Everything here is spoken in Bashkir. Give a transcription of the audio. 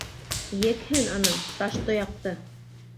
Екһен, ана, Таштояҡты!